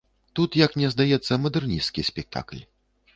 Тут, як мне здаецца, мадэрнісцкі спектакль.